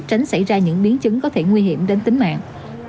tránh xảy ra những biến chứng có thể nguy hiểm đến tính mạng